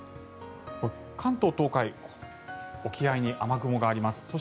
関東、東海沖合に雨雲があります。